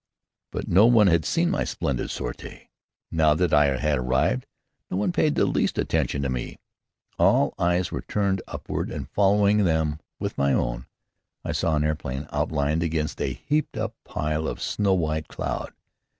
But no one had seen my splendid sortie. Now that I had arrived, no one paid the least attention to me. All eyes were turned upward, and following them with my own, I saw an airplane outlined against a heaped up pile of snow white cloud.